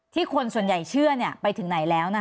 คนส่วนใหญ่เชื่อไปถึงไหนแล้ว